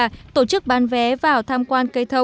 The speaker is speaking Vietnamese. nên việc tổ chức bán vé thu tiền là hợp lý